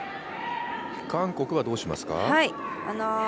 韓国はどうしますか？